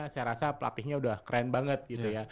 saya rasa pelatihnya udah keren banget gitu ya